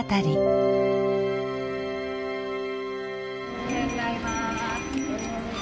おはようございます。